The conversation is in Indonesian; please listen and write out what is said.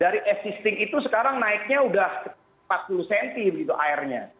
dari existing itu sekarang naiknya sudah empat puluh cm airnya